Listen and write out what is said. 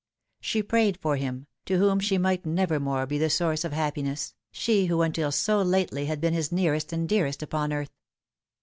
She prayed for him, to whom she might nevermore be the source of happiness, she who until so lately had been his nearest and dearest upon earth.